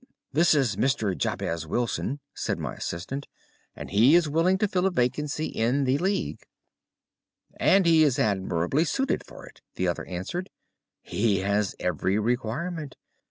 "'This is Mr. Jabez Wilson,' said my assistant, 'and he is willing to fill a vacancy in the League.' "'And he is admirably suited for it,' the other answered. 'He has every requirement.